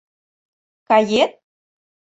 — Кает?